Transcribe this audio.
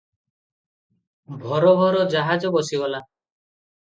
ଭୋର ଭୋର ଜାହାଜ ବସିଗଲା ।